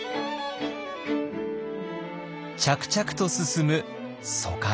着々と進む疎開。